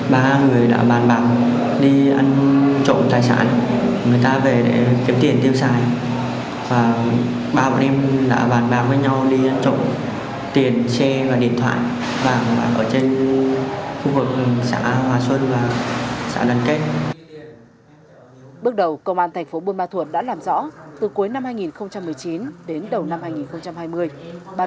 bước đầu công an thành phố bùa ma thuột đã làm rõ từ cuối năm hai nghìn một mươi chín đến đầu năm hai nghìn hai mươi